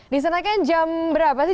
di sana kan jam berapa sih